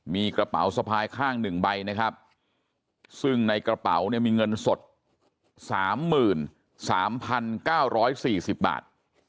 มีกระเป๋าสะพายข้าง๑ใบนะครับซึ่งในกระเป๋าเนี่ยมีเงินสด๓๓๙๔๐บาท